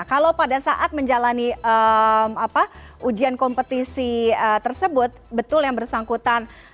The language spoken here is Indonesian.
kalau pada saat menjalani ujian kompetisi tersebut betul yang bersangkutan